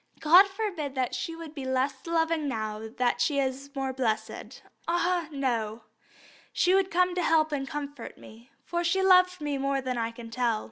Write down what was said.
God forbid that she should be less loving now that she is more blessed. Ah, no! she would come to help and comfort me, for she loved me more than I can tell."